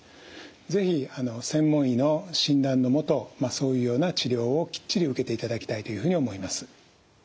是非専門医の診断のもとそういうような治療をきっちり受けていただきたいというふうに思います。